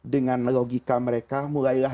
dengan logika mereka mulailah